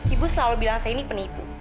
ibu selalu bilang saya ini penipu